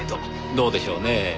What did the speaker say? どうでしょうねぇ。